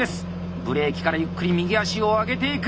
ブレーキからゆっくり右足を上げていく！